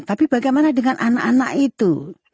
tapi bagaimana dengan anak anak itu